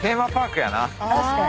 確かに。